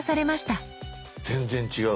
全然違う！